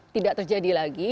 tidak terjadi lagi